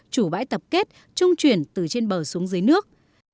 chủ bãi tập kết trung chuyển từ trên bờ xuống dưới nước